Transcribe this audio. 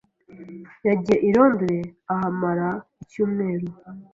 Yagiye i Londres, ahamara icyumweru.